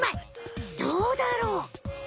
どうだろう？